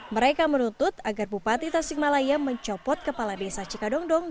mereka menuntut agar bupati tasikmalaya mencopot kepala desa cikadongdong